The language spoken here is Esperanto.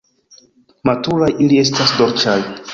Maturaj ili estas dolĉaj.